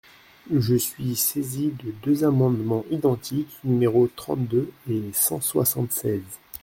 Je suis saisi de deux amendements identiques, numéros trente-deux et cent soixante-seize.